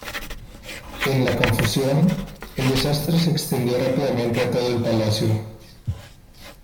En la confusión, el desastre se extendió rápidamente a todo el palacio.